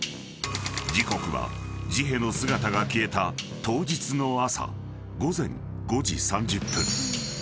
［時刻はジヘの姿が消えた当日の朝午前５時３０分］